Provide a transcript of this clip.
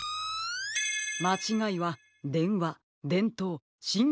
まちがいはでんわでんとうしんごうきの３つです。